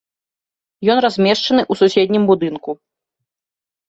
Ён размешчаны ў суседнім будынку.